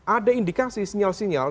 ada indikasi sinyal sinyal